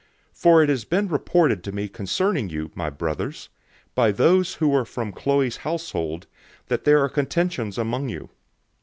001:011 For it has been reported to me concerning you, my brothers, by those who are from Chloe's household, that there are contentions among you.